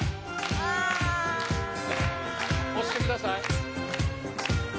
押してください。